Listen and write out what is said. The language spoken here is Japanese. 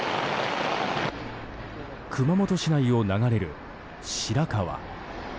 熊本市内を流れる白川。